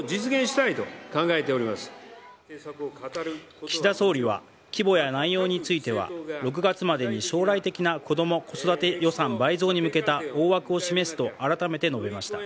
岸田総理は規模や内容については６月までに将来的な子ども・子育て予算倍増に向けた大枠を示すとあらためて述べました。